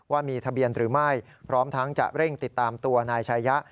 ว่ามีทะเบียนหรือไม่พร้อมทั้งจะเร่งติดตามตัวนายชายะ